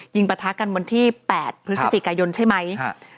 ยิงปะทะกันวันที่๘พฤศจิกายนใช่ไหม